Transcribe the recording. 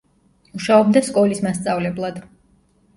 მუშაობდა სკოლის მასწავლებლად.